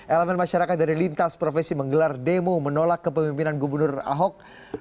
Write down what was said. elemen masyarakat dari lintas profesi menggelar demo menolak kepemimpinan gubernur ahok